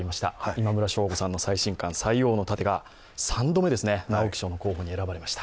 今村翔吾さんの最新刊「塞王の楯」が３度目の直木賞の候補に選ばれました。